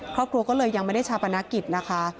ครอบครัวก็เลยยังไม่ได้ชาปนกิจนะคะ